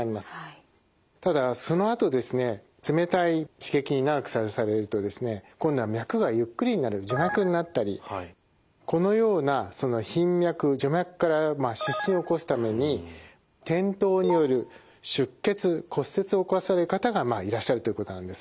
ただそのあとですね冷たい刺激に長くさらされると今度は脈がゆっくりになる徐脈になったりこのような頻脈・徐脈から失神を起こすために転倒による出血骨折を起こされる方がいらっしゃるということなんです。